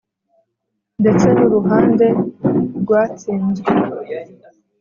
Ndetse nu ruhande rwatsinzwe.